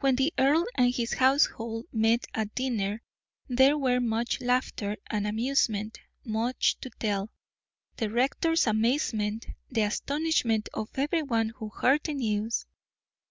When the earl and his household met at dinner there were much laughter and amusement much to tell; the rector's amazement, the astonishment of every one who heard the news.